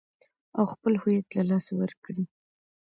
او خپل هويت له لاسه ور کړي .